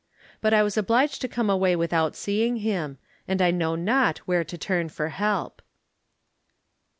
But I was obliged to come away without seeing him, and I know not where to turn for help.